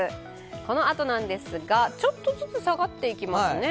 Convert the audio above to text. このあとですが、ちょっとずつ下がっていきますね。